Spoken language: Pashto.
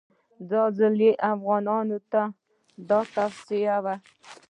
دا ځل یې افغانانو ته دا توصیه وه.